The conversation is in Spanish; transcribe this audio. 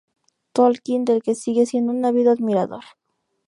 Tolkien, del que sigue siendo un ávido admirador.